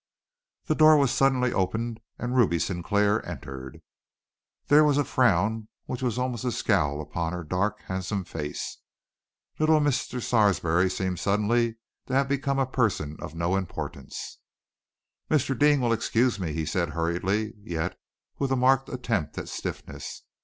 The door was suddenly opened and Ruby Sinclair entered. There was a frown which was almost a scowl upon her dark, handsome face. Little Mr. Sarsby seemed suddenly to have become a person of no importance. "Mr. Deane will excuse me," he said hurriedly, yet with a marked attempt at stiffness.